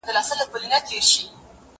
زه اوس موسيقي اورم